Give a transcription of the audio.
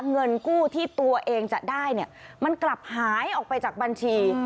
เงินกู้ที่ตัวเองจะได้เนี่ยมันกลับหายออกไปจากบัญชี